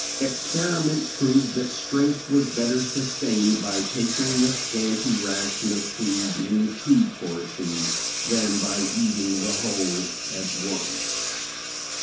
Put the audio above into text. Experiment proved that strength was better sustained by taking the scanty ration of food in two portions than by eating the whole at once.